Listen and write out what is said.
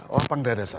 lapang daerah saja